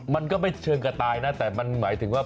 มันก็ไม่เชิงกระต่ายนะแต่มันหมายถึงว่า